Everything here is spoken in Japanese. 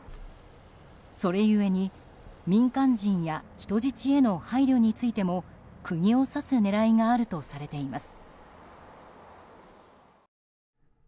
それ故に民間人や人質への配慮についても釘を刺す狙いがあるとされています。